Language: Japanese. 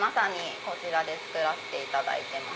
はい作らせていただいてます。